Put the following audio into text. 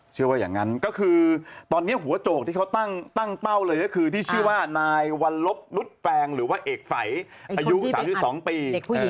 เชื่อว่าอย่างนั้นคือตอนนี้หัวโจกที่เขาตั้งเป้าเลยคือนายวัลลุฟรุ้ดแฟงหรือว่าเอกไฝอายุ๓๒ปี